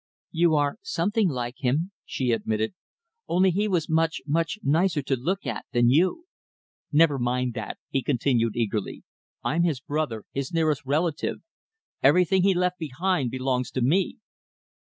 "You are something like him," she admitted, "only he was much, much nicer to look at than you." "Never mind that," he continued eagerly. "I'm his brother, his nearest relative. Everything he left behind belongs to me!"